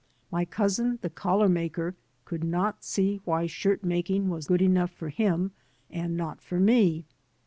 My cousin, the collar maker, could not see why shirt making was good enough for him and not for me.